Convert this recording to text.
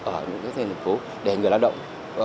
ở những thành phố để người lao động